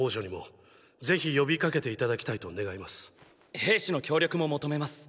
兵士の協力も求めます。